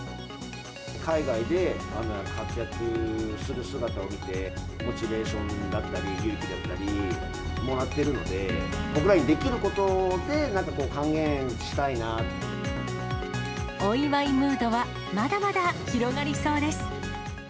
海外で活躍する姿を見て、モチベーションだったり、勇気だったりもらってるので、僕らにできることで、何か還元しお祝いムードはまだまだ広がりそうです。